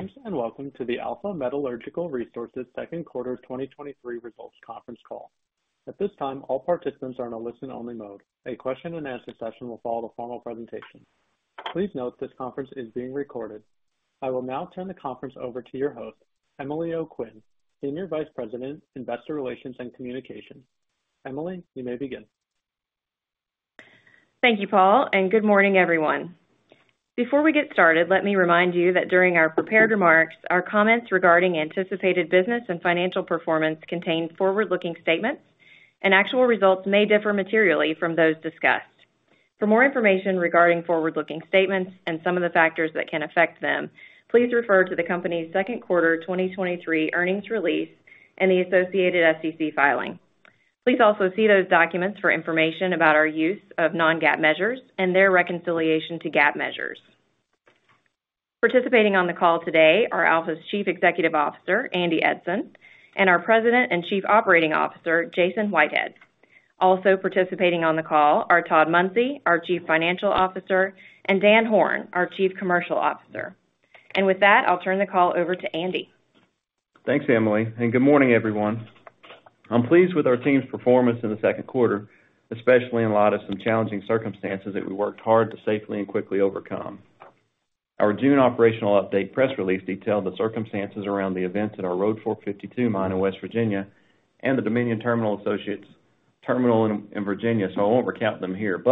Greetings, welcome to the Alpha Metallurgical Resources second quarter 2023 results conference call. At this time, all participants are in a listen-only mode. A question and answer session will follow the formal presentation. Please note, this conference is being recorded. I will now turn the conference over to your host, Emily O'Quinn, Senior Vice President, Investor Relations and Communications. Emily, you may begin. Thank you, Paul. Good morning, everyone. Before we get started, let me remind you that during our prepared remarks, our comments regarding anticipated business and financial performance contain forward-looking statements, and actual results may differ materially from those discussed. For more information regarding forward-looking statements and some of the factors that can affect them, please refer to the company's second quarter 2023 earnings release and the associated SEC filing. Please also see those documents for information about our use of non-GAAP measures and their reconciliation to GAAP measures. Participating on the call today are Alpha's Chief Executive Officer, Andy Eidson, and our President and Chief Operating Officer, Jason Whitehead. Also participating on the call are Todd Munsey, our Chief Financial Officer, and Dan Horn, our Chief Commercial Officer. With that, I'll turn the call over to Andy. Thanks, Emily. Good morning, everyone. I'm pleased with our team's performance in the second quarter, especially in light of some challenging circumstances that we worked hard to safely and quickly overcome. Our June operational update press release detailed the circumstances around the events at our Road Fork fifty-two mine in West Virginia and the Dominion Terminal Associates terminal in Virginia, so I won't recount them here.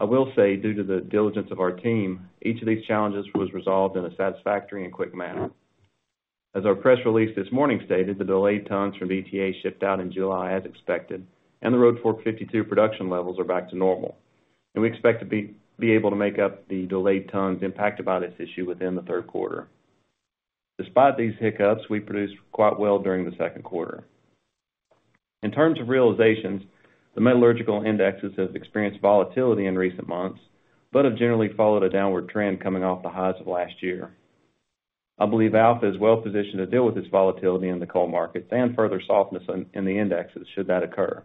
I will say, due to the diligence of our team, each of these challenges was resolved in a satisfactory and quick manner. As our press release this morning stated, the delayed tons from DTA shipped out in July as expected, and the Road Fork fifty-two production levels are back to normal. We expect to be able to make up the delayed tons impacted by this issue within the third quarter. Despite these hiccups, we produced quite well during the second quarter. In terms of realizations, the metallurgical indexes have experienced volatility in recent months, but have generally followed a downward trend coming off the highs of last year. I believe Alpha is well-positioned to deal with this volatility in the coal markets and further softness in the indexes, should that occur.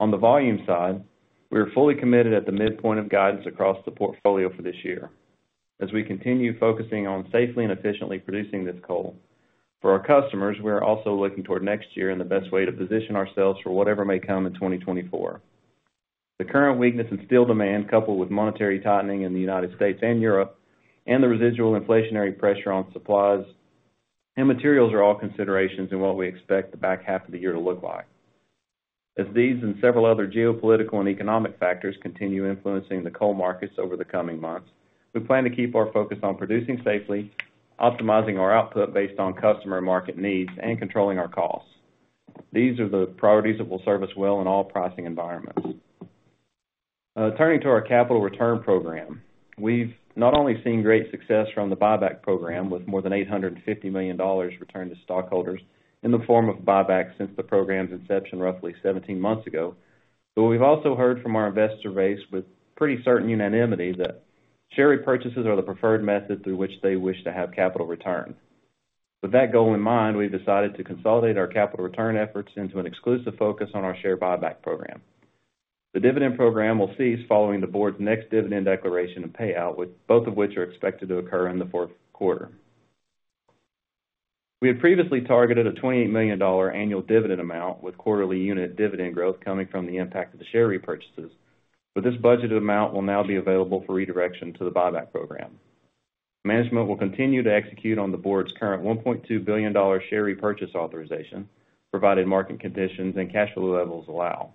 On the volume side, we are fully committed at the midpoint of guidance across the portfolio for this year as we continue focusing on safely and efficiently producing this coal. For our customers, we are also looking toward next year and the best way to position ourselves for whatever may come in 2024. The current weakness in steel demand, coupled with monetary tightening in the United States and Europe, and the residual inflationary pressure on supplies and materials, are all considerations in what we expect the back half of the year to look like. As these and several other geopolitical and economic factors continue influencing the coal markets over the coming months, we plan to keep our focus on producing safely, optimizing our output based on customer and market needs, and controlling our costs. These are the priorities that will serve us well in all pricing environments. Turning to our capital return program, we've not only seen great success from the buyback program, with more than $850 million returned to stockholders in the form of buybacks since the program's inception roughly 17 months ago. We've also heard from our investor base with pretty certain unanimity that share repurchases are the preferred method through which they wish to have capital returned. With that goal in mind, we've decided to consolidate our capital return efforts into an exclusive focus on our share buyback program. The dividend program will cease following the board's next dividend declaration and payout, with both of which are expected to occur in the fourth quarter. We had previously targeted a $28 million annual dividend amount, with quarterly unit dividend growth coming from the impact of the share repurchases, but this budgeted amount will now be available for redirection to the buyback program. Management will continue to execute on the board's current $1.2 billion share repurchase authorization, provided market conditions and cash flow levels allow.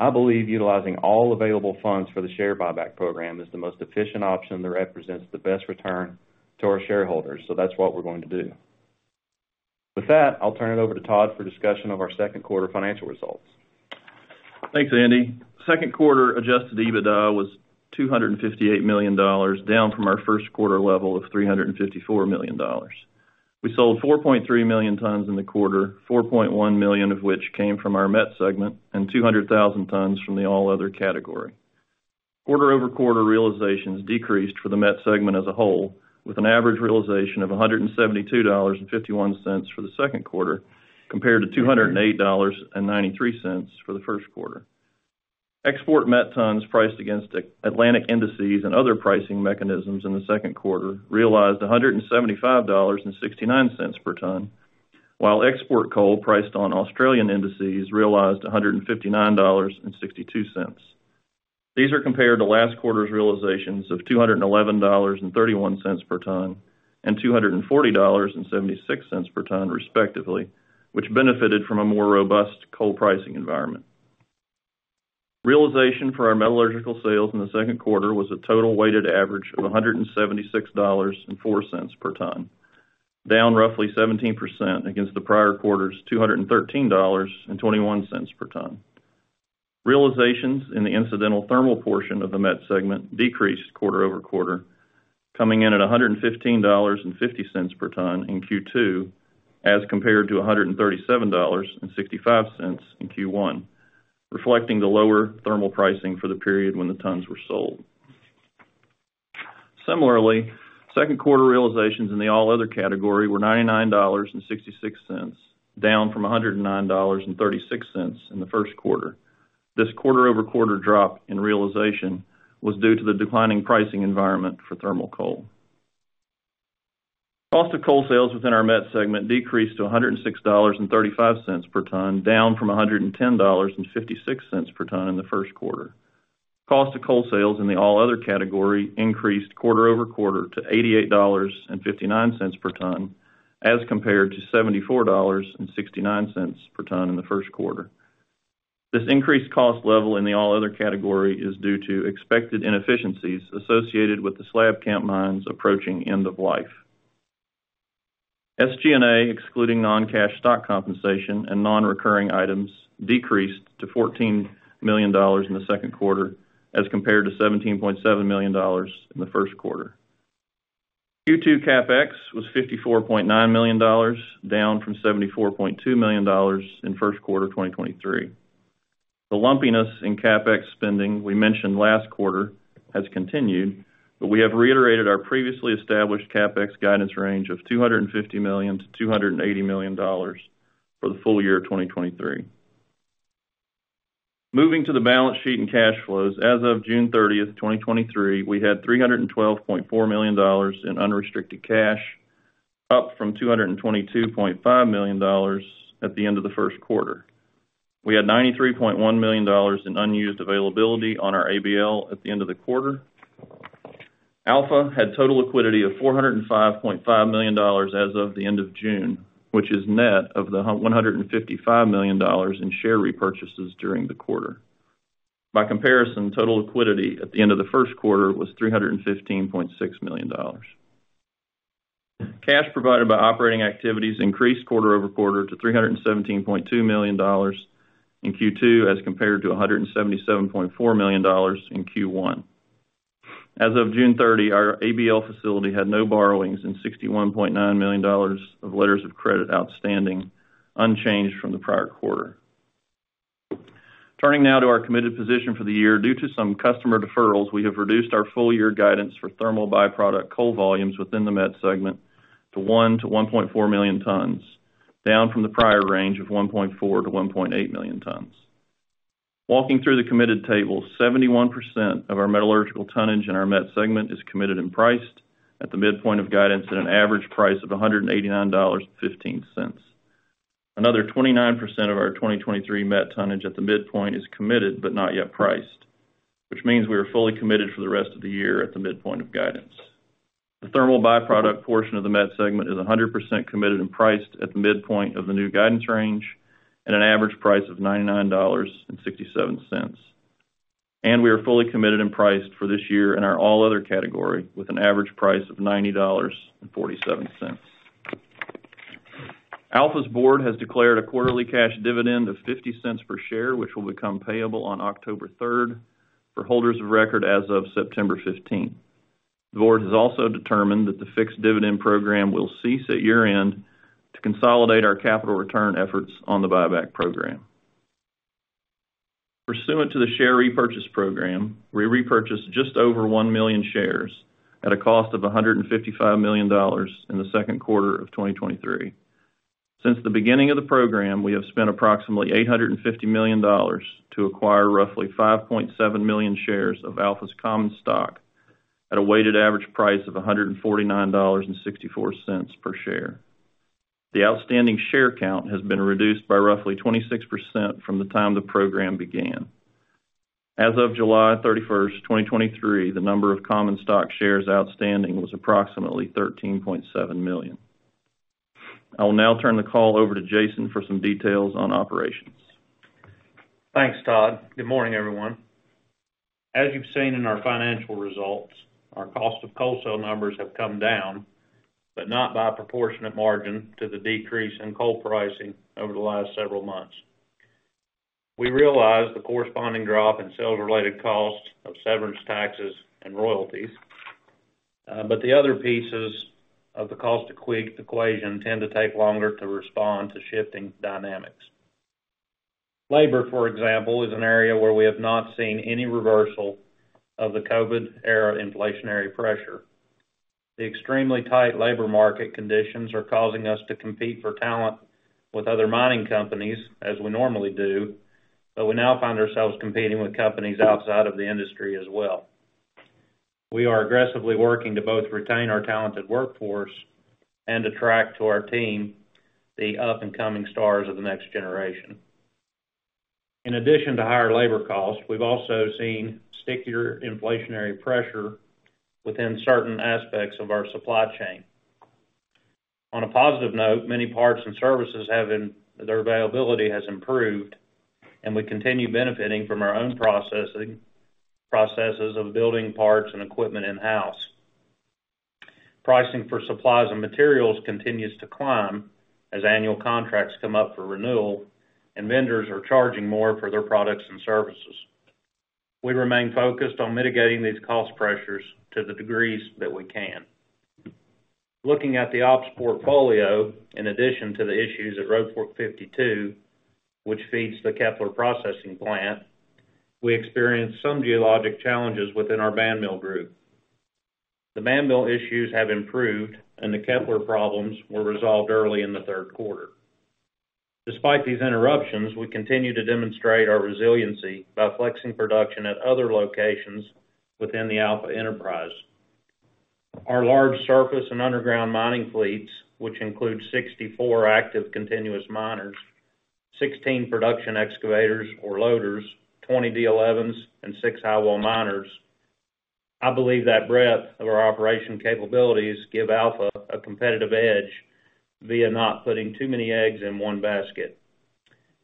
I believe utilizing all available funds for the share buyback program is the most efficient option that represents the best return to our shareholders, so that's what we're going to do. With that, I'll turn it over to Todd for discussion of our second quarter financial results. Thanks, Andy. Second quarter Adjusted EBITDA was $258 million, down from our first quarter level of $354 million. We sold 4.3 million tons in the quarter, 4.1 million of which came from our Met segment, and 200,000 tons from the All Other category. Quarter-over-quarter realizations decreased for the Met segment as a whole, with an average realization of $172.51 for the second quarter, compared to $208.93 for the first quarter. Export met tons priced against Atlantic indices and other pricing mechanisms in the second quarter realized $175.69 per ton, while export coal priced on Australian indices realized $159.62. These are compared to last quarter's realizations of $211.31 per ton, and $240.76 per ton, respectively, which benefited from a more robust coal pricing environment. Realization for our metallurgical sales in the second quarter was a total weighted average of $176.04 per ton, down roughly 17% against the prior quarter's $213.21 per ton. Realizations in the incidental thermal portion of the Met segment decreased quarter-over-quarter, coming in at $115.50 per ton in Q2, as compared to $137.65 in Q1, reflecting the lower thermal pricing for the period when the tons were sold. Similarly, second quarter realizations in the All Other category were $99.66, down from $109.36 in the first quarter. This quarter-over-quarter drop in realization was due to the declining pricing environment for thermal coal. Cost of coal sales within our Met segment decreased to $106.35 per ton, down from $110.56 per ton in the first quarter. Cost of coal sales in the All Other category increased quarter-over-quarter to $88.59 per ton, as compared to $74.69 per ton in the first quarter. This increased cost level in the All Other category is due to expected inefficiencies associated with the Slab camp mines approaching end of life. SG&A, excluding non-cash stock compensation and non-recurring items, decreased to $14 million in the second quarter, as compared to $17.7 million in the first quarter. Q2 CapEx was $54.9 million, down from $74.2 million in first quarter 2023. The lumpiness in CapEx spending we mentioned last quarter has continued, but we have reiterated our previously established CapEx guidance range of $250 million-$280 million for the full year of 2023. Moving to the balance sheet and cash flows. As of June 30, 2023, we had $312.4 million in unrestricted cash, up from $222.5 million at the end of the first quarter. We had $93.1 million in unused availability on our ABL at the end of the quarter. Alpha had total liquidity of $405.5 million as of the end of June, which is net of the $155 million in share repurchases during the quarter. By comparison, total liquidity at the end of the first quarter was $315.6 million. Cash provided by operating activities increased quarter-over-quarter to $317.2 million in Q2, as compared to $177.4 million in Q1. As of June 30, our ABL facility had no borrowings and $61.9 million of letters of credit outstanding, unchanged from the prior quarter. Turning now to our committed position for the year. Due to some customer deferrals, we have reduced our full year guidance for thermal byproduct coal volumes within the Met segment to 1 million-1.4 million tons, down from the prior range of 1.4 million-1.8 million tons. Walking through the committed table, 71% of our metallurgical tonnage in our Met segment is committed and priced at the midpoint of guidance at an average price of $189.15. Another 29% of our 2023 Met tonnage at the midpoint is committed but not yet priced, which means we are fully committed for the rest of the year at the midpoint of guidance. The thermal byproduct portion of the Met segment is 100% committed and priced at the midpoint of the new guidance range at an average price of $99.67. We are fully committed and priced for this year in our All Other category, with an average price of $90.47. Alpha's board has declared a quarterly cash dividend of $0.50 per share, which will become payable on October 3rd, for holders of record as of September 15th. The board has also determined that the fixed dividend program will cease at year-end to consolidate our capital return efforts on the buyback program. Pursuant to the share repurchase program, we repurchased just over 1 million shares at a cost of $155 million in the second quarter of 2023. Since the beginning of the program, we have spent approximately $850 million to acquire roughly 5.7 million shares of Alpha's common stock at a weighted average price of $149.64 per share. The outstanding share count has been reduced by roughly 26% from the time the program began. As of July 31, 2023, the number of common stock shares outstanding was approximately 13.7 million. I will now turn the call over to Jason for some details on operations. Thanks, Todd. Good morning, everyone. As you've seen in our financial results, our cost of coal sales numbers have come down, but not by a proportionate margin to the decrease in coal pricing over the last several months. We realize the corresponding drop in sales-related costs of severance taxes and royalties, but the other pieces of the cost equation tend to take longer to respond to shifting dynamics. Labor, for example, is an area where we have not seen any reversal of the COVID-era inflationary pressure. The extremely tight labor market conditions are causing us to compete for talent with other mining companies, as we normally do, but we now find ourselves competing with companies outside of the industry as well. We are aggressively working to both retain our talented workforce and attract to our team the up-and-coming stars of the next generation. In addition to higher labor costs, we've also seen stickier inflationary pressure within certain aspects of our supply chain. On a positive note, many parts and services, their availability has improved. We continue benefiting from our own processes of building parts and equipment in-house. Pricing for supplies and materials continues to climb as annual contracts come up for renewal. Vendors are charging more for their products and services. We remain focused on mitigating these cost pressures to the degrees that we can. Looking at the ops portfolio, in addition to the issues at Road Fork 52, which feeds the Kepler processing plant, we experienced some geologic challenges within our Bandmill group. The Danville issues have improved. The Kepler problems were resolved early in the third quarter. Despite these interruptions, we continue to demonstrate our resiliency by flexing production at other locations within the Alpha enterprise. Our large surface and underground mining fleets, which include 64 active continuous miners, 16 production excavators or loaders, 20 D11s, and 6 highwall miners. I believe that breadth of our operation capabilities give Alpha a competitive edge via not putting too many eggs in one basket,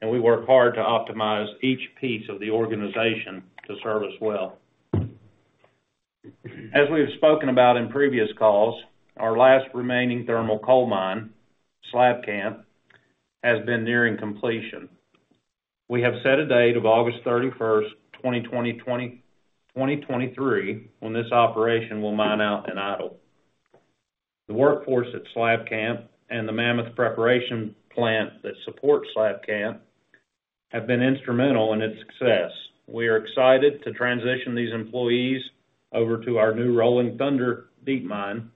and we work hard to optimize each piece of the organization to serve us well. As we have spoken about in previous calls, our last remaining thermal coal mine, Slab Camp, has been nearing completion. We have set a date of August 31st, 2023, when this operation will mine out and idle. The workforce at Slab Camp and the Mammoth preparation plant that supports Slab Camp have been instrumental in its success. We are excited to transition these employees over to our new Rolling Thunder deep mine,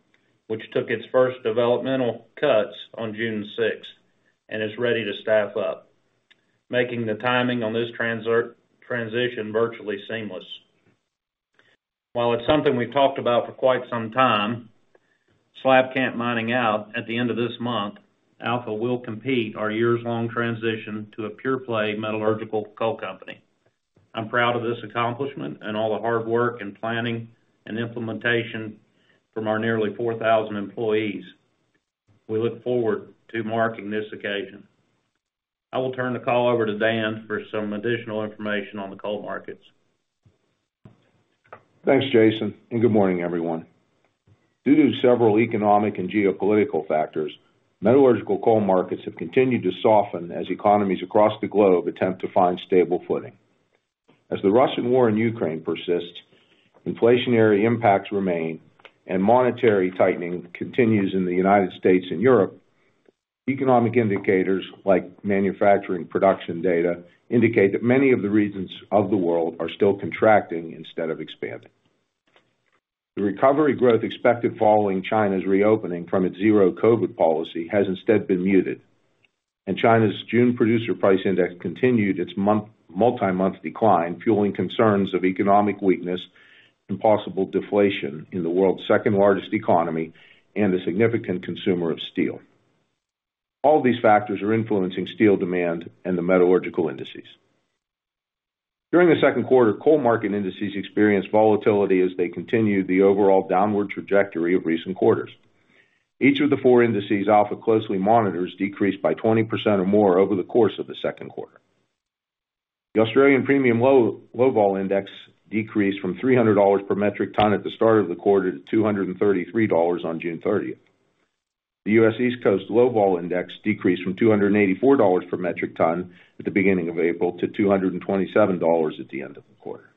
which took its first developmental cuts on June 6th and is ready to staff up, making the timing on this transition virtually seamless. While it's something we've talked about for quite some time, Slab camp mining out at the end of this month, Alpha will complete our years-long transition to a pure-play metallurgical coal company. I'm proud of this accomplishment and all the hard work, and planning, and implementation from our nearly 4,000 employees. We look forward to marking this occasion. I will turn the call over to Dan for some additional information on the coal markets. Thanks, Jason. Good morning, everyone. Due to several economic and geopolitical factors, metallurgical coal markets have continued to soften as economies across the globe attempt to find stable footing. As the Russian war in Ukraine persists, inflationary impacts remain, and monetary tightening continues in the United States and Europe, economic indicators, like manufacturing production data, indicate that many of the regions of the world are still contracting instead of expanding. The recovery growth expected following China's reopening from its zero-COVID policy has instead been muted, and China's June Producer Price Index continued its multi-month decline, fueling concerns of economic weakness and possible deflation in the world's second-largest economy and a significant consumer of steel. All these factors are influencing steel demand and the metallurgical indices. During the second quarter, coal market indices experienced volatility as they continued the overall downward trajectory of recent quarters. Each of the four indices Alpha closely monitors decreased by 20% or more over the course of the second quarter. The Australian Premium Low Vol Index decreased from $300 per metric ton at the start of the quarter to $233 on June 30th. The U.S. East Coast Low Vol Index decreased from $284 per metric ton at the beginning of April to $227 at the end of the quarter.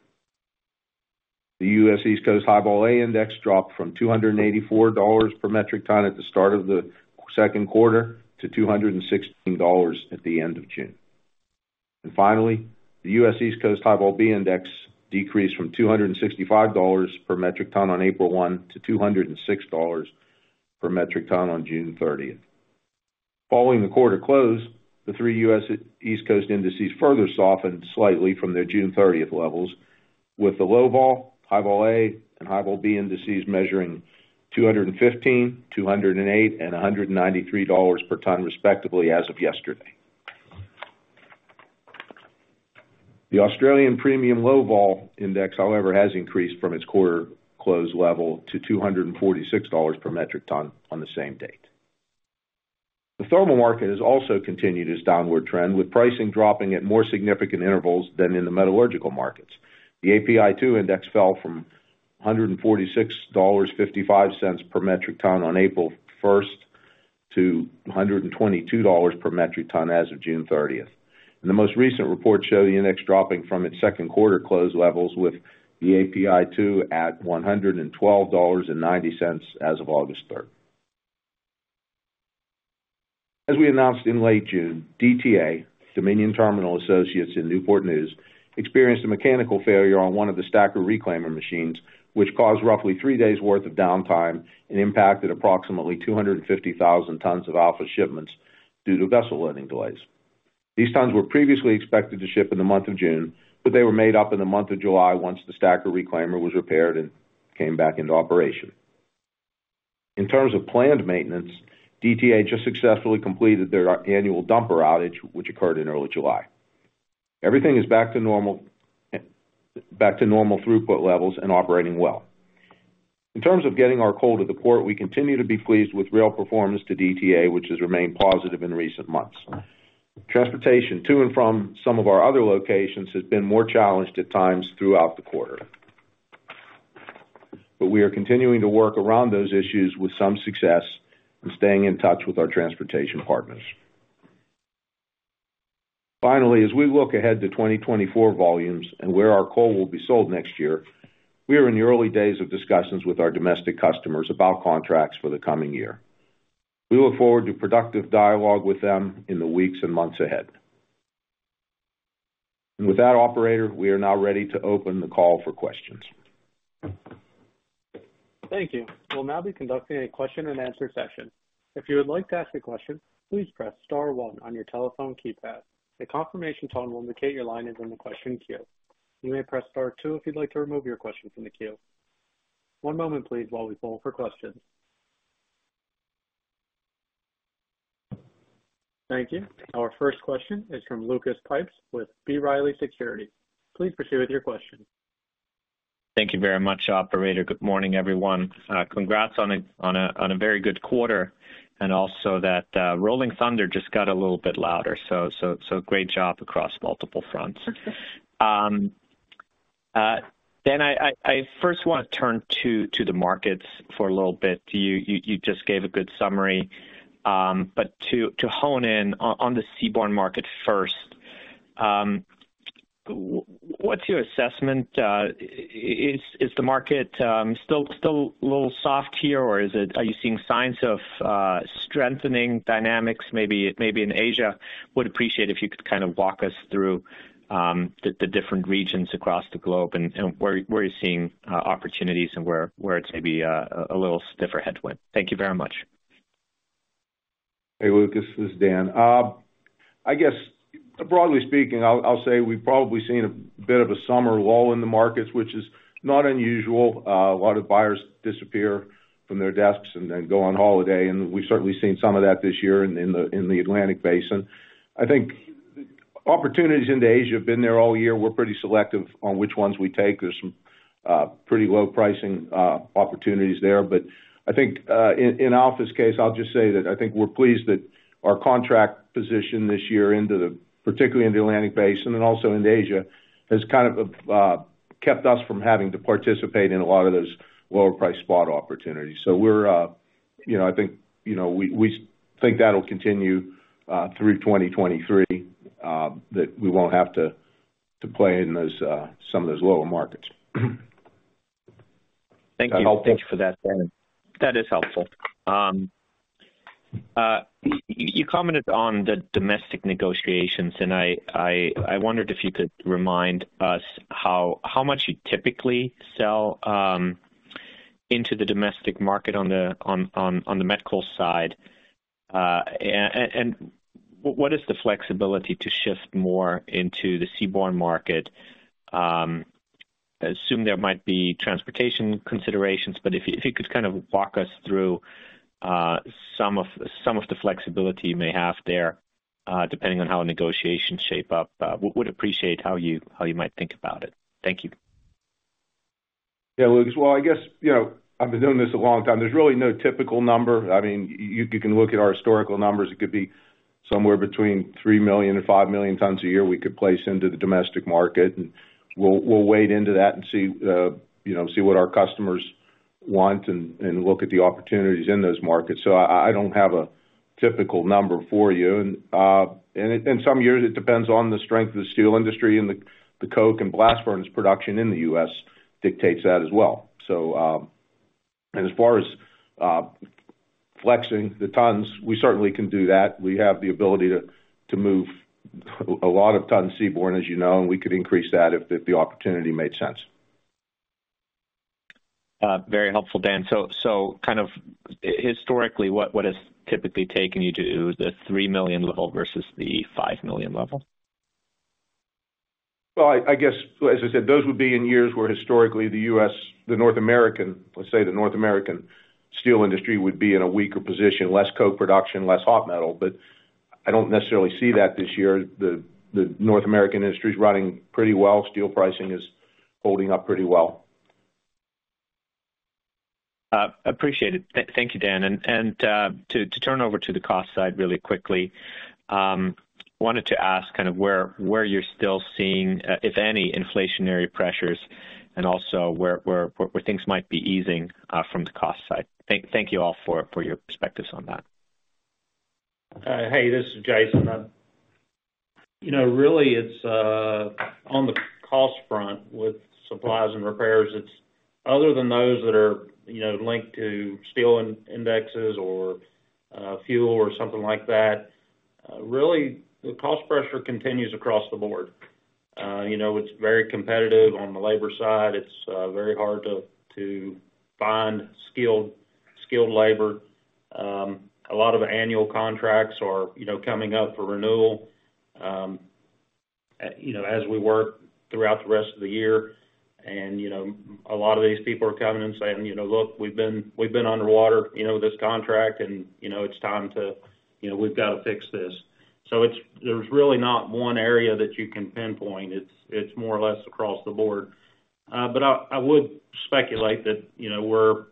The U.S. East Coast High Vol A Index dropped from $284 per metric ton at the start of the second quarter to $216 at the end of June. Finally, the U.S. East Coast High Vol B Index decreased from $265 per metric ton on April 1 to $206 per metric ton on June 30. Following the quarter close, the three U.S. East Coast indices further softened slightly from their June 30 levels, with the Low Vol, High Vol A, and High Vol B indices measuring $215, $208, and $193 per ton, respectively, as of yesterday. The Australian Premium Low Vol Index, however, has increased from its quarter close level to $246 per metric ton on the same date. The thermal market has also continued its downward trend, with pricing dropping at more significant intervals than in the metallurgical markets. The API2 index fell from $146.55 per metric ton on April 1st to $122 per metric ton as of June 30th. The most recent reports show the index dropping from its second quarter close levels, with the API2 at $112.90 as of August 3rd. As we announced in late June, DTA, Dominion Terminal Associates in Newport News, experienced a mechanical failure on one of the stacker reclaimer machines, which caused roughly 3 days' worth of downtime and impacted approximately 250,000 tons of Alpha shipments due to vessel loading delays. These tons were previously expected to ship in the month of June, but they were made up in the month of July once the stacker reclaimer was repaired and came back into operation. In terms of planned maintenance, DTA just successfully completed their annual dumper outage, which occurred in early July. Everything is back to normal, back to normal throughput levels and operating well. In terms of getting our coal to the port, we continue to be pleased with rail performance to DTA, which has remained positive in recent months. Transportation to and from some of our other locations has been more challenged at times throughout the quarter. We are continuing to work around those issues with some success and staying in touch with our transportation partners. Finally, as we look ahead to 2024 volumes and where our coal will be sold next year, we are in the early days of discussions with our domestic customers about contracts for the coming year. We look forward to productive dialogue with them in the weeks and months ahead. With that operator, we are now ready to open the call for questions. Thank you. We'll now be conducting a question and answer session. If you would like to ask a question, please press star one on your telephone keypad. A confirmation tone will indicate your line is in the question queue. You may press star two if you'd like to remove your question from the queue. One moment, please, while we poll for questions. Thank you. Our first question is from Lucas Pipes with B. Riley Securities. Please proceed with your question. Thank you very much, operator. Good morning, everyone. Congrats on a very good quarter, and also that, Rolling Thunder just got a little bit louder, so, so, so great job across multiple fronts. Dan, I first wanna turn to, to the markets for a little bit. You, you just gave a good summary, to, to hone in on, on the seaborne market first, what's your assessment? Is, is the market, still a little soft here, or are you seeing signs of strengthening dynamics, maybe in Asia? Would appreciate if you could kind of walk us through, the different regions across the globe and where you're seeing opportunities and where it's maybe a little stiffer headwind. Thank you very much. Hey, Lucas, this is Dan. I guess, broadly speaking, I'll, I'll say we've probably seen a bit of a summer lull in the markets, which is not unusual. A lot of buyers disappear from their desks and then go on holiday, we've certainly seen some of that this year in the Atlantic Basin. I think opportunities into Asia have been there all year. We're pretty selective on which ones we take. There's some pretty low pricing opportunities there. I think in Alpha's case, I'll just say that I think we're pleased that our contract position this year into the particularly in the Atlantic Basin and also into Asia, has kind of kept us from having to participate in a lot of those lower priced spot opportunities. We're, you know, I think, you know, we, we think that'll continue through 2023, that we won't have to play in those, some of those lower markets. Thank you. Thank you for that, Dan. That is helpful. You commented on the domestic negotiations, I, I, I wondered if you could remind us how, how much you typically sell into the domestic market on the, on, on, on the met coal side? What is the flexibility to shift more into the seaborne market? I assume there might be transportation considerations, but if you, if you could kind of walk us through some of, some of the flexibility you may have there, depending on how negotiations shape up. Would appreciate how you, how you might think about it. Thank you. Yeah, Lucas. Well, I guess, you know, I've been doing this a long time. There's really no typical number. I mean, you, you can look at our historical numbers. It could be somewhere between 3 million and 5 million tons a year we could place into the domestic market, and we'll, we'll wade into that and see, you know, see what our customers want and, and look at the opportunities in those markets. I, I don't have a typical number for you. In some years, it depends on the strength of the steel industry and the, the coke and blast furnace production in the U.S. dictates that as well. As far as flexing the tons, we certainly can do that. We have the ability to move a lot of tons seaborne, as you know, and we could increase that if the opportunity made sense. Very helpful, Dan. So kind of historically, what, what has typically taken you to the 3 million level versus the 5 million level? Well, I, I guess, as I said, those would be in years where historically, the U.S., the North American, let's say the North American steel industry, would be in a weaker position, less coke production, less hot metal. I don't necessarily see that this year. The North American industry is running pretty well. Steel pricing is holding up pretty well. Appreciate it. Thank you, Dan. And, and, to, to turn over to the cost side really quickly, wanted to ask kind of where, where you're still seeing, if any, inflationary pressures, and also where, where, where things might be easing, from the cost side? Thank, thank you all for, for your perspectives on that. Hey, this is Jason. You know, really, it's on the cost front with supplies and repairs, it's other than those that are, you know, linked to steel indexes or fuel or something like that, really, the cost pressure continues across the board. You know, it's very competitive on the labor side. It's very hard to, to find skilled, skilled labor. A lot of annual contracts are, you know, coming up for renewal, you know, as we work throughout the rest of the year. You know, a lot of these people are coming and saying, you know, "Look, we've been, we've been underwater, you know, this contract, and, you know, it's time to... You know, we've got to fix this." It's-- there's really not one area that you can pinpoint. It's, it's more or less across the board. I, I would speculate that, you know, we're,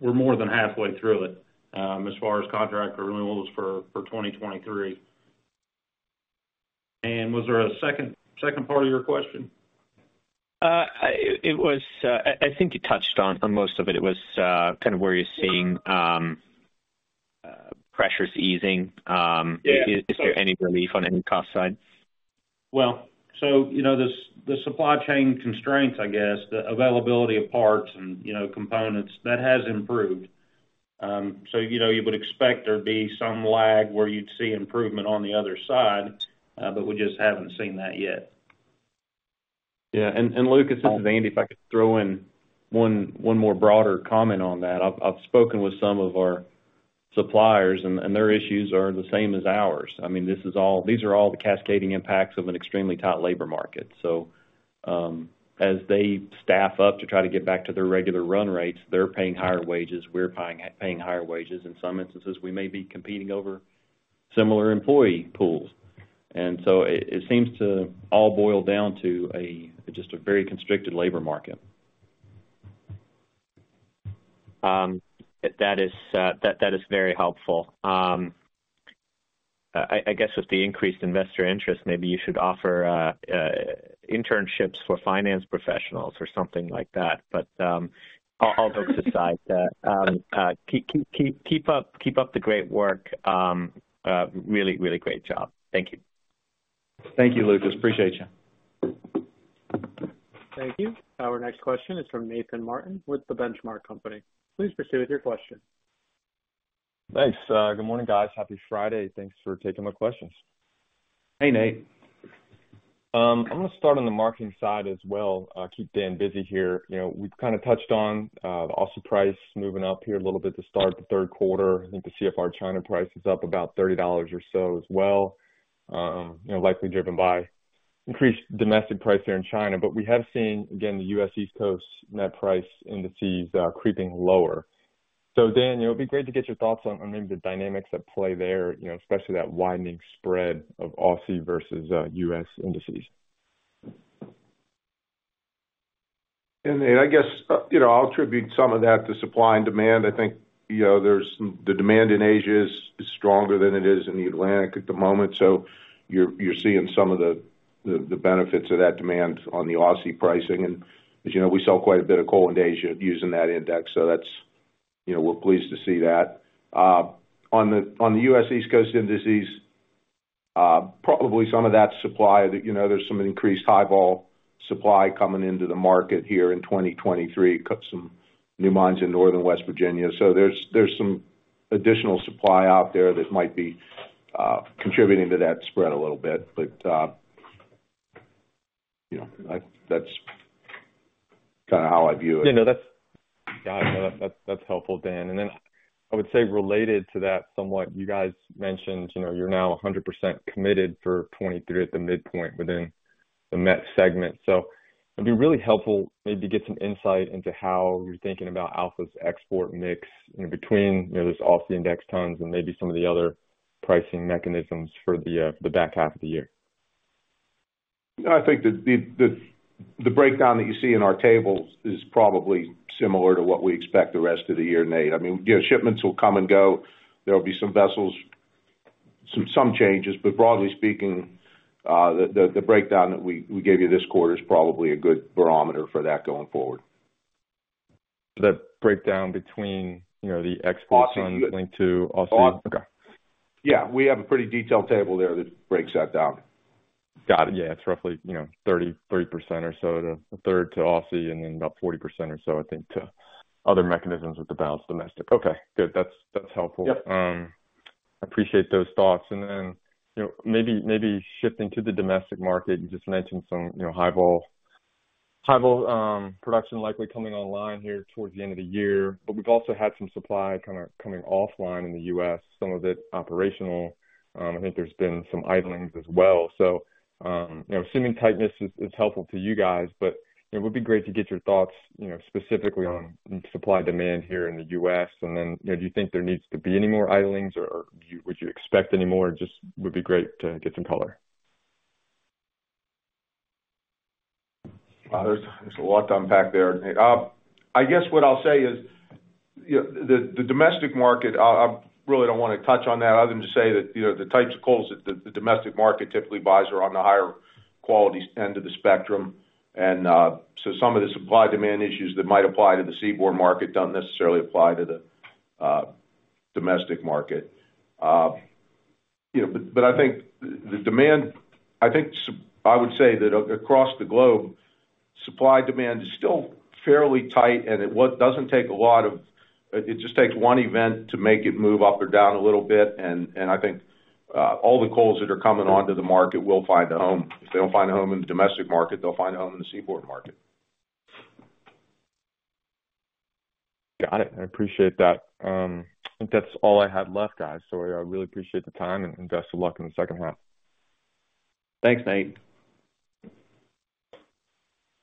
we're more than halfway through it, as far as contract renewals for, for 2023. Was there a second, second part of your question? it was, I think you touched on, on most of it. It was, kind of where you're seeing, pressures easing. Yeah. Is there any relief on any cost side? Well, you know, the supply chain constraints, I guess, the availability of parts and, you know, components, that has improved. ... you know, you would expect there'd be some lag where you'd see improvement on the other side, but we just haven't seen that yet. Yeah, Lucas, this is Andy. If I could throw in one, one more broader comment on that. I've, I've spoken with some of our suppliers, and, and their issues are the same as ours. I mean, this is all, these are all the cascading impacts of an extremely tight labor market. As they staff up to try to get back to their regular run rates, they're paying higher wages, we're paying, paying higher wages. In some instances, we may be competing over similar employee pools. So it, it seems to all boil down to a just a very constricted labor market. That is, that, that is very helpful. I, I guess with the increased investor interest, maybe you should offer internships for finance professionals or something like that. All jokes aside, keep, keep, keep up, keep up the great work. Really, really great job. Thank you. Thank you, Lucas. Appreciate you. Thank you. Our next question is from Nathan Martin with The Benchmark Company. Please proceed with your question. Thanks. Good morning, guys. Happy Friday. Thanks for taking my questions. Hey, Nate. I'm gonna start on the marketing side as well, keep Dan busy here. You know, we've kind of touched on the Aussie price moving up here a little bit to start the third quarter. I think the CFR China price is up about $30 or so as well, you know, likely driven by increased domestic price there in China. We have seen, again, the U.S. East Coast net price indices creeping lower. Dan, it would be great to get your thoughts on, on maybe the dynamics at play there, you know, especially that widening spread of Aussie versus U.S. indices. Nate, I guess, you know, I'll attribute some of that to supply and demand. I think, you know, the demand in Asia is, is stronger than it is in the Atlantic at the moment, so you're, you're seeing some of the benefits of that demand on the Aussie pricing. As you know, we sell quite a bit of coal in Asia using that index, so that's... You know, we're pleased to see that. On the, on the U.S. East Coast indices, probably some of that supply, you know, there's some increased high wall supply coming into the market here in 2023. Got some new mines in northern West Virginia, so there's some additional supply out there that might be contributing to that spread a little bit. You know, that's kind of how I view it. Yeah, no, that's... Yeah, no, that's, that's helpful, Dan. I would say related to that, somewhat, you guys mentioned, you know, you're now 100% committed for 2023 at the midpoint within the Met segment. It'd be really helpful maybe to get some insight into how you're thinking about Alpha's export mix in between, you know, those Aussie index tons and maybe some of the other pricing mechanisms for the back half of the year? I think that the, the, the breakdown that you see in our tables is probably similar to what we expect the rest of the year, Nate. I mean, you know, shipments will come and go. There will be some vessels, some, some changes, but broadly speaking, the, the, the breakdown that we, we gave you this quarter is probably a good barometer for that going forward. The breakdown between, you know, the exports. Aussie. Linked to Aussie? Aus- Okay. Yeah, we have a pretty detailed table there that breaks that down. Got it. Yeah, it's roughly, you know, 30%, 30% or so to a third to Aussie, and then about 40% or so, I think, to other mechanisms with the balance domestic. Okay, good. That's, that's helpful. Yep. Appreciate those thoughts. You know, maybe, maybe shifting to the domestic market, you just mentioned some, you know, highwall, highwall, production likely coming online here towards the end of the year, but we've also had some supply kind of coming offline in the U.S., some of it operational. I think there's been some idlings as well. You know, assuming tightness is, is helpful to you guys, but it would be great to get your thoughts, you know, specifically on supply/demand here in the U.S. You know, do you think there needs to be any more Idlings or, or would you expect any more? It just would be great to get some color. Well, there's, there's a lot to unpack there, Nate. I guess what I'll say is, you know, the, the domestic market, I, I really don't want to touch on that other than to say that, you know, the types of coals that the, the domestic market typically buys are on the higher quality end of the spectrum. So some of the supply/demand issues that might apply to the seaborne market doesn't necessarily apply to the domestic market. You know, but, but I think the, the demand-- I think I would say that across the globe, supply/demand is still fairly tight, and it would... Doesn't take a lot of-- it just takes one event to make it move up or down a little bit. And I think all the coals that are coming onto the market will find a home. If they don't find a home in the domestic market, they'll find a home in the seaborne market. Got it. I appreciate that. I think that's all I had left, guys. I really appreciate the time and, and best of luck in the second half. Thanks, Nate.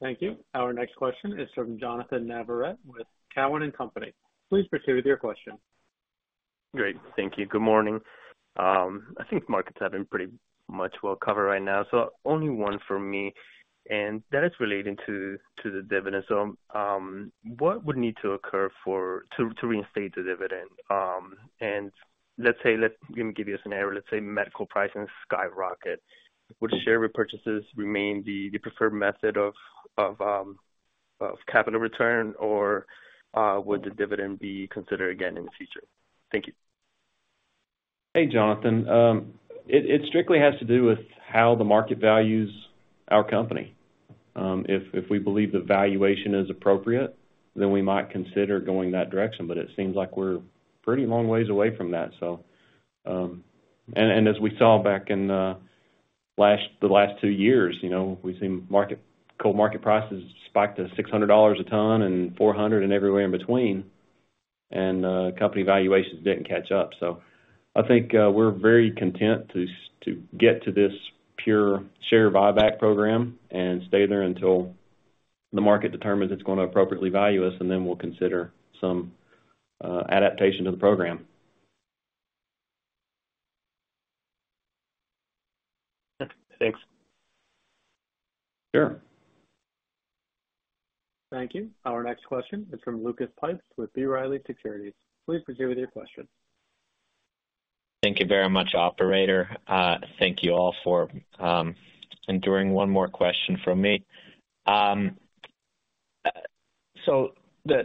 Thank you. Our next question is from Jonnathan Navarrete with Cowen and Company. Please proceed with your question. Great. Thank you. Good morning. I think markets have been pretty much well covered right now, only one for me, and that is relating to the dividend. What would need to occur for to reinstate the dividend? Let's say, let me give you a scenario. Let's say met coal pricing skyrocket. Would share repurchases remain the preferred method of capital return, or would the dividend be considered again in the future? Thank you. Hey, Jonathan. It, it strictly has to do with how the market values our company. If, if we believe the valuation is appropriate, then we might consider going that direction, but it seems like we're pretty long ways away from that. As we saw back in last-- the last two years, you know, we've seen market coal market prices spike to $600 a ton and $400 and everywhere in between, and company valuations didn't catch up. I think we're very content to get to this pure share buyback program and stay there until the market determines it's going to appropriately value us, and then we'll consider some adaptation to the program. Thanks. Sure. Thank you. Our next question is from Lucas Pipes with B. Riley Securities. Please proceed with your question. Thank you very much, operator. Thank you all for enduring one more question from me. The,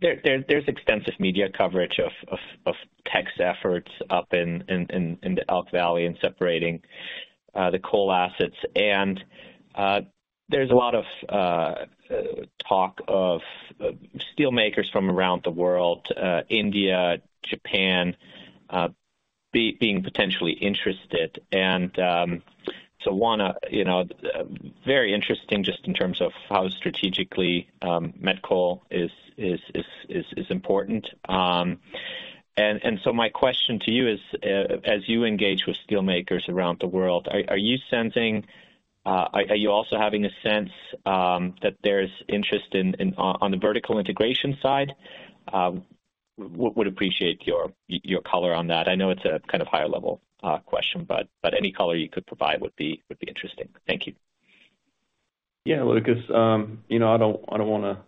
there, there's extensive media coverage of, of, of Teck efforts up in, in, in, in the Elk Valley and separating the coal assets. There's a lot of talk of steel makers from around the world, India, Japan, be- being potentially interested. One, you know, very interesting just in terms of how strategically met coal is, is, is, is, is important. My question to you is, as you engage with steel makers around the world, are, are you sensing... are you also having a sense that there's interest in, in, on, on the vertical integration side? Would, would appreciate your, your color on that. I know it's a kind of higher level question, but any color you could provide would be, would be interesting. Thank you. Yeah, Lucas, you know, I don't, I don't wanna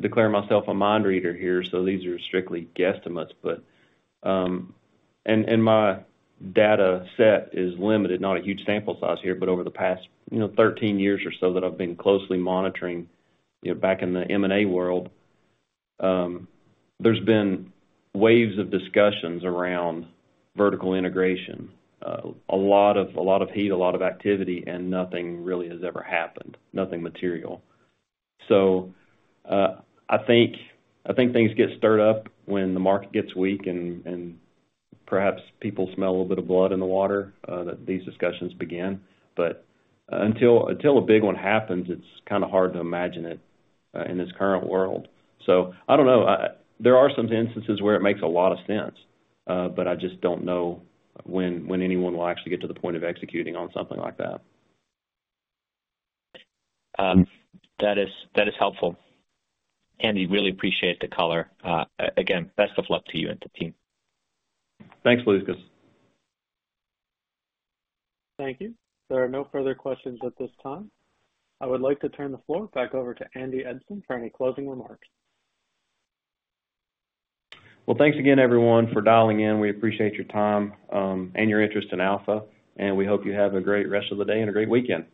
declare myself a mind reader here, so these are strictly guesstimates. My data set is limited, not a huge sample size here, but over the past, you know, 13 years or so that I've been closely monitoring, you know, back in the M&A world, there's been waves of discussions around vertical integration. A lot of, a lot of heat, a lot of activity, nothing really has ever happened, nothing material. I think, I think things get stirred up when the market gets weak and, and perhaps people smell a little bit of blood in the water, that these discussions begin. Until, until a big one happens, it's kinda hard to imagine it in this current world. I don't know. There are some instances where it makes a lot of sense, but I just don't know when, when anyone will actually get to the point of executing on something like that. That is, that is helpful. Andy, really appreciate the color. Again, best of luck to you and the team. Thanks, Lucas. Thank you. There are no further questions at this time. I would like to turn the floor back over to Andy Eidson for any closing remarks. Well, thanks again, everyone, for dialing in. We appreciate your time, and your interest in Alpha, and we hope you have a great rest of the day and a great weekend.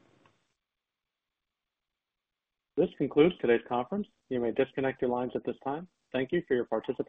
This concludes today's conference. You may disconnect your lines at this time. Thank you for your participation.